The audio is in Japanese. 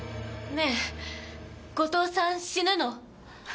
ねえ後藤さん死ぬの？